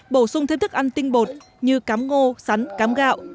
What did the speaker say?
bổ sung thêm thức ăn tinh bột như cám ngô sắn cám gạo